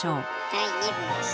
第２部です。